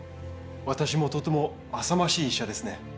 私もとてもあさましい医者ですね。